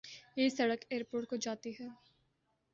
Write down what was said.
یہ سڑک airport کو جاتی ہے